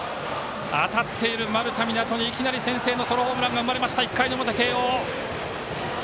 当たっている丸田湊斗にいきなり先制のソロホームランが生まれました、１回の表、慶応。